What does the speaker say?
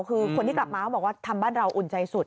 คือคนที่กลับมาเขาบอกว่าทำบ้านเราอุ่นใจสุด